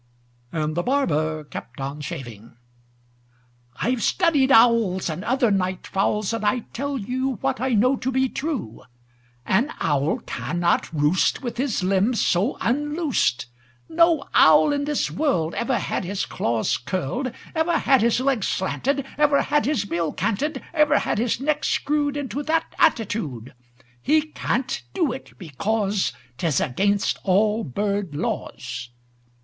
And the barber kept on shaving. "I've studied owls, And other night fowls, And I tell you What I know to be true: An owl cannot roost With his limbs so unloosed; No owl in this world Ever had his claws curled, Ever had his legs slanted, Ever had his bill canted, Ever had his neck screwed Into that attitude. He can't do it, because 'T is against all bird laws.